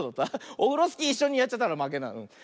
オフロスキーいっしょにやっちゃったらまけなんだ。